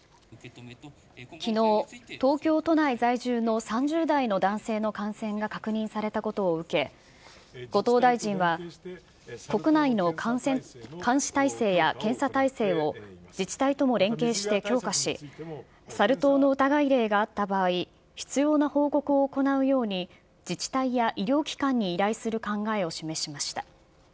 きのう、東京都内在住の３０代の男性の感染が確認されたことを受け、後藤大臣は、国内の監視体制や検査体制を自治体とも連携して強化し、サル痘の疑い例があった場合、必要な報告を行うように自治体や医療機関に依頼する考えを示しました。